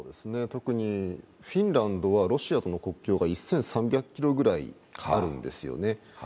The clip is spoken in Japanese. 特にフィンランドはロシアとの国境が１３００ｋｍぐらいあるんですよね。